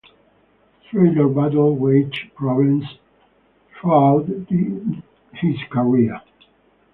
Traylor battled weight problems throughout his career.